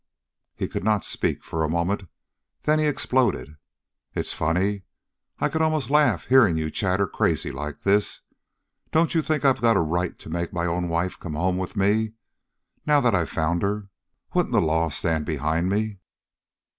He could not speak for a moment. Then he exploded. "It's funny. I could almost laugh hearing you chatter crazy like this. Don't you think I got a right to make my own wife come home with me, now that I've found her? Wouldn't the law stand behind me?"